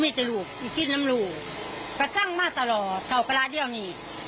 ไปจุดเกิดเหตุทันที